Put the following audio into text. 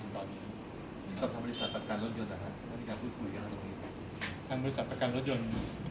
ก็บริษัทประกันรถยนต์